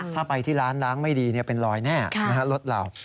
ถ้าไปที่ร้านร้างไม่ดีเป็นรอยแน่รถเรา